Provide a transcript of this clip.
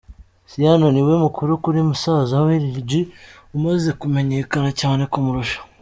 Ciano, niwe mukuru kuri musaza we, Lil-G, umaze kumenyekana cyane kumurusha.